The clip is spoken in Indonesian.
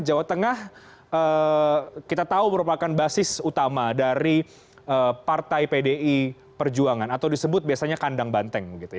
jawa tengah kita tahu merupakan basis utama dari partai pdi perjuangan atau disebut biasanya kandang banteng